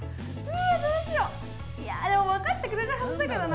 いやでもわかってくれるはずだけどな。